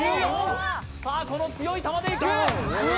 この強い球でいく。